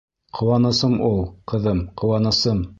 Ҡыуанысым ул, ҡыҙым, ҡыуанысым!